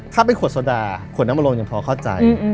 ถ้าเป็นขวดโซดาขวดน้ำมะลงยังพอเข้าใจ